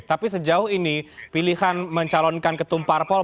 tapi sejauh ini pilihan mencalonkan ketum parpol